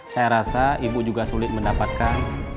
saya rasa ibu juga sulit mendapatkan